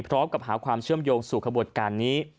พร้อมกับหาความเชื่อมโยงสู่ขบวนการนี้